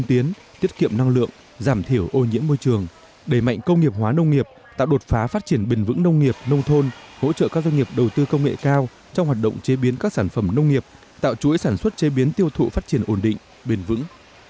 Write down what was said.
bề mạnh công nghiệp hóa nông nghiệp tạo đột phá phát triển bền vững nông nghiệp nông thôn hỗ trợ các doanh nghiệp đầu tư công nghệ cao trong hoạt động chế biến các sản phẩm nông nghiệp tạo chuỗi sản xuất chế biến tiêu thụ phát triển ổn định bền vững